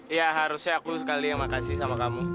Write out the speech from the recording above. ya harusnya aku sekali yang makasih sama kamu